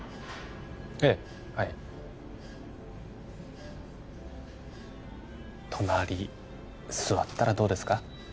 ええはい隣座ったらどうですか？